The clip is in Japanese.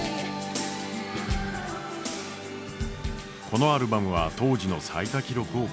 このアルバムは当時の最多記録を更新。